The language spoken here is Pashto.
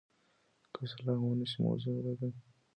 که اصلاح ونه شي، موضوع قاضي ته وړاندي کیږي.